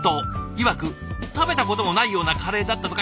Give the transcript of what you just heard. いわく「食べたこともないようなカレー」だったとか。